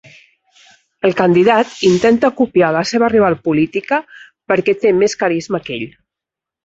El candidat intenta copiar la seva rival política perquè té més carisma que ell.